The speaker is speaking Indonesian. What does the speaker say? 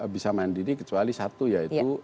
bisa mandiri kecuali satu yaitu